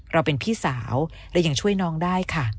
เราเป็นพี่สาวและยังช่วยน้องได้ค่ะ